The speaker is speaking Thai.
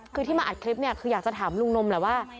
คือที่มาอัดคลิปเนี่ยคืออยากจะถามลุงนมแหละว่า